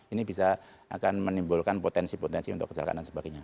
ini bisa akan menimbulkan potensi potensi untuk kecelakaan dan sebagainya